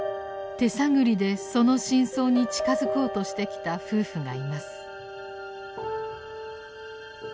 手探りでその真相に近づこうとしてきた夫婦がいます。